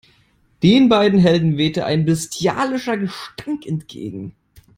Den beiden Helden wehte ein bestialischer Gestank entgegen.